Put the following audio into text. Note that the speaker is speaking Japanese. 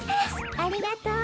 ありがとう。